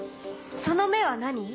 その目は何？